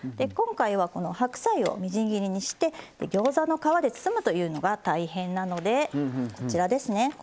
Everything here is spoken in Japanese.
今回はこの白菜をみじん切りにしてギョーザの皮で包むというのが大変なのでこちらですね